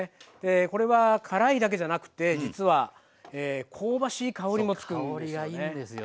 これは辛いだけじゃなくて実は香ばしい香りもつくんですよね。